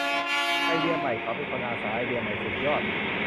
ไอเดียใหม่ เขาเป็นคนอาสา ไอเดียใหม่สุดยอด